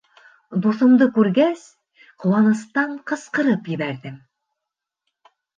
Дуҫымды күргәс, ҡыуаныстан ҡысҡырып ебәрҙем: